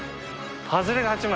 ハズレが８枚。